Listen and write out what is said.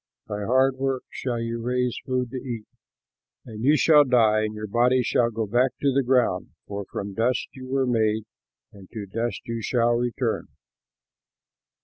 By hard work shall you raise food to eat. And you shall die and your body go back to the ground, for from dust you were made, and to dust you shall return!"